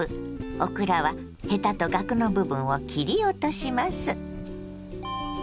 オクラはヘタとがくの部分を切り落とします。